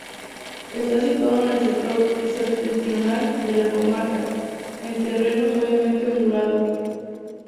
Está situado en el sector septentrional de la comarca, en terreno suavemente ondulado.